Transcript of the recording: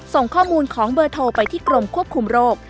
ส่งข้อมูลของเบอร์โทรไปที่กรมควบคุมโรค